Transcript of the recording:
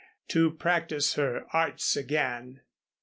to practice her arts again.